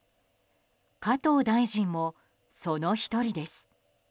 加藤大臣も、その１人です。